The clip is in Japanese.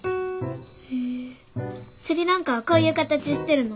へえスリランカはこういう形してるの？